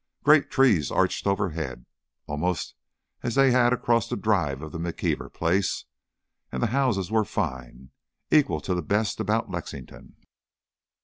Great trees arched overhead, almost as they had across the drive of the McKeever place, and the houses were fine, equal to the best about Lexington.